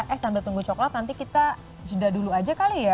eh sambil tunggu coklat nanti kita jeda dulu aja kali ya